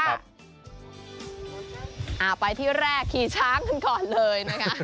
อ่าไปที่แรกขี่ช้างกันก่อนเลยนะคะ